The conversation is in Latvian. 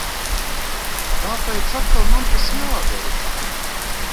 K?p?c atkal man tas j?dara?